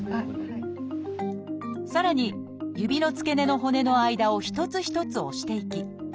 さらに指の付け根の骨の間を一つ一つ押していき